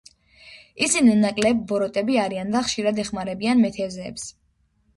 ისინი ნაკლებ ბოროტები არიან და ხშირად ეხმარებიან მეთევზეებს.